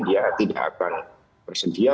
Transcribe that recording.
dia tidak akan bersedia